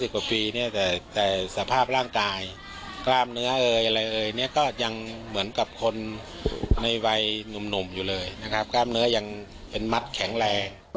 ๕๐กลัวปีแต่สภาพร่างกายกล้ามเนื้อก็ยังเหมือนกับคนในวัยหนุ่มอยู่เลยนะครับกล้ามเนื้อยังมัดแข็งแลง